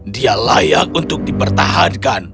dia layak untuk dipertahankan